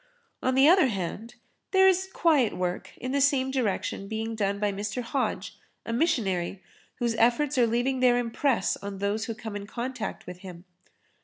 On the other hand, there is quiet work in the same direction being done by Mr. Hodge, a missionary whose efforts are leaving their impress on those who come in contact with him.